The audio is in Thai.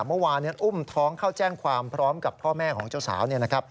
เมื่อวานอุ้มท้องเข้าแจ้งความพร้อมกับพ่อแม่ของเจ้าสาว